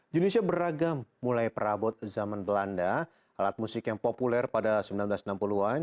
jenisnya beragam mulai perabot zaman belanda alat musik yang populer pada seribu sembilan ratus enam puluh an